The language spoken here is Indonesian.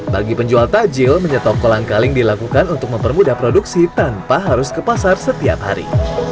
bagi penjual tajil menyetop kolang kaling dilakukan untuk mempermudah produksi tanpa harus ke pasar setiap hari